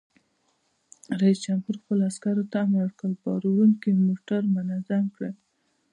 رئیس جمهور خپلو عسکرو ته امر وکړ؛ بار وړونکي موټر منظم کړئ!